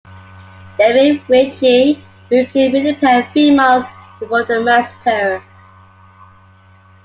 David Weiche moved to Winnipeg three months before the massacre.